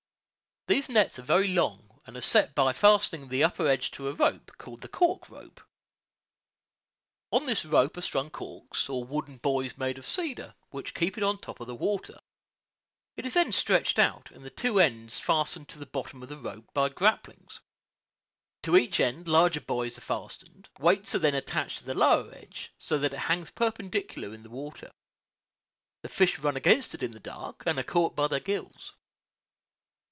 These nets are very long, and are set by fastening the upper edge to a rope, called the cork rope. On this rope are strung corks, or wooden buoys made of cedar, which keep it on top of the water. It is then stretched out, and the two ends fastened to the bottom by "grapplings." To each end larger buoys are fastened; weights are then attached to the lower edge, so that it hangs perpendicular in the water. The fish run against it in the dark, and are caught by their gills.